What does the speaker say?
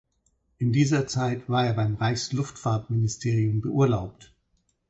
In dieser Zeit war er beim Reichsluftfahrtministerium beurlaubt.